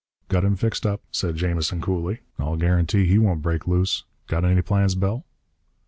"Got him fixed up," said Jamison coolly, "I'll guarantee he won't break loose. Got any plans, Bell?"